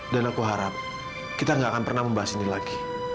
dan aku harap kita gak akan pernah membahas ini lagi